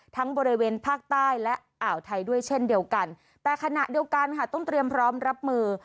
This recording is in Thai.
บริเวณภาคใต้และอ่าวไทยด้วยเช่นเดียวกันแต่ขณะเดียวกันค่ะต้องเตรียมพร้อมรับมือ